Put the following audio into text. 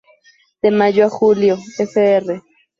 De mayo a julio, fr.